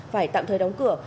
phải tạm thời đóng cửa